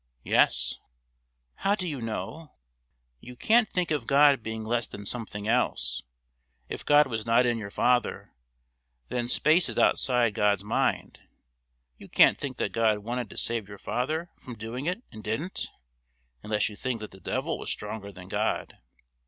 "Yes." "How do you know?" "You can't think of God being less than something else. If God was not in your father, then space is outside God's mind. You can't think that God wanted to save your father from doing it and didn't, unless you think that the devil was stronger than God.